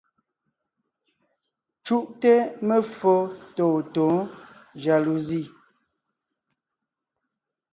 Cúʼte meffo tôtǒ jaluzi.